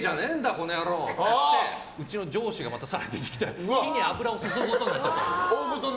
この野郎！って言ってうちの上司がまた更に出てきて火に油を注ぐことになっちゃったんです。